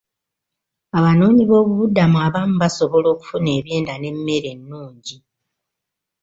Abanoonyiboobubudamu abamu basobola okufuna ebyendya n'emmere ennungi.